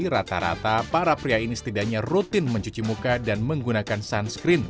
rata rata para pria ini setidaknya rutin mencuci muka dan menggunakan sunscreen